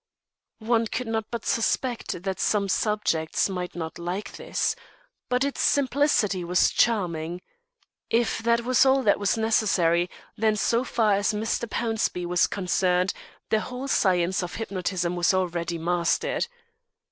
One could not but suspect that some subjects might not like this. But its simplicity was charming. If that was all that was necessary, then, so far as Mr. Pownceby was concerned, the whole science of hypnotism was already mastered.